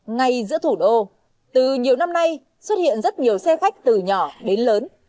ngay giữa thủ đô từ nhiều năm nay xuất hiện rất nhiều xe khách từ nhỏ đến lớn